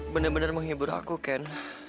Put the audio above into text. bener bener menghibur aku ken